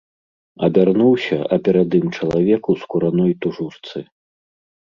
Абярнуўся, а перад ім чалавек у скураной тужурцы.